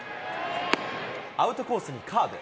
アウトコースにカーブ。